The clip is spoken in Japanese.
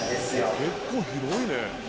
結構広いね。